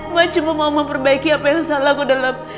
mbak cuma mau memperbaiki apa yang salah gue dalam